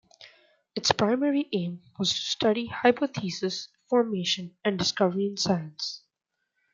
Its primary aim was to study hypothesis formation and discovery in science.